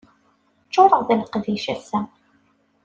Ččureɣ d leqdic ass-a.